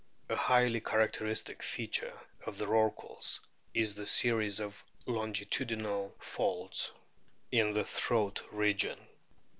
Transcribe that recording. A highly characteristic feature of the Rorquals is the series of longitudinal folds in the throat region.